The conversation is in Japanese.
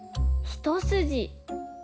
一筋？